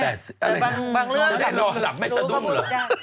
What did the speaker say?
บางเรื่องเจ๊นอนหลับไม่สะดุ้มเหรอ